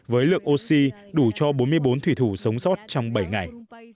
với lượng oxy đủ cho bốn mươi bốn thủy thủ sống sót trong bảy ngày